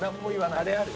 あれある？